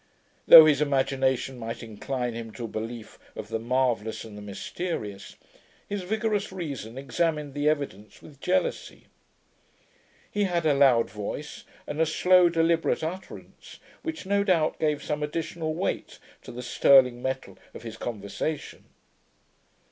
Though his imagination might incline him to a belief of the marvellous, and the mysterious, his vigorous reason examined the evidence with jealousy. He had a loud voice, and a slow deliberate utterance, which no doubt gave some additional weight to the sterling metal of his conversation.